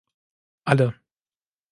Alle.